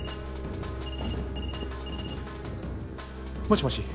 もしもし。